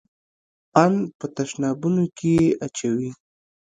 ان په تشنابونو کښې يې اچوي.